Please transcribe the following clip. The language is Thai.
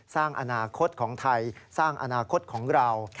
สร้างอนาคตของไทยสร้างอนาคตของเรา